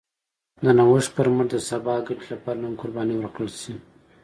د نوښت پر مټ د سبا ګټې لپاره نن قرباني ورکړل شي.